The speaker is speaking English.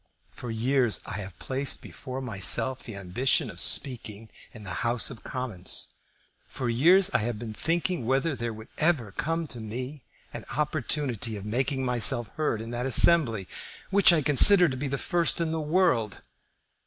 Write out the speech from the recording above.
For years I have placed before myself the ambition of speaking in the House of Commons; for years I have been thinking whether there would ever come to me an opportunity of making myself heard in that assembly, which I consider to be the first in the world.